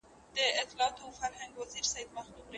له حلواخورو ملایانو سره ښه جوړیږي